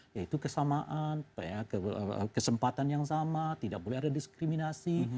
yaitu kesamaan kesempatan yang sama tidak boleh ada diskriminasi